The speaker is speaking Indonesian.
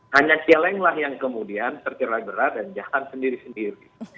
hanya celenglah yang kemudian tercerai berat dan jahat sendiri sendiri